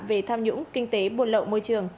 về tham nhũng kinh tế buồn lậu môi trường